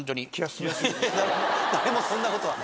誰もそんなことは。